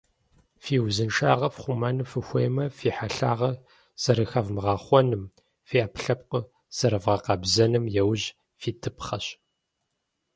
Фи узыншагъэр фхъумэну фыхуеймэ, фи хьэлъагъэм зэрыхэвмыгъэхъуэным, фи Ӏэпкълъэпкъыр зэрывгъэкъэбзэным яужь фитыпхъэщ.